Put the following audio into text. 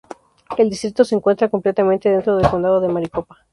El distrito se encuentra completamente dentro del condado de Maricopa.